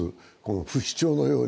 不死鳥のように